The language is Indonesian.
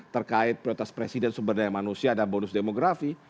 terkait prioritas presiden sumber daya manusia dan bonus demografi